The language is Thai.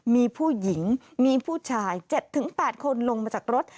มีผู้หญิงมีผู้ชาย๗๘คนลงมาจากรถ